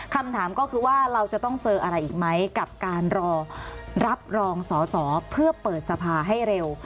คำถามก็คือว่าเราจะต้องเจออะไรอีกไหมกับการรอรับรองสอสอเพื่อเปิดสภาให้เร็ว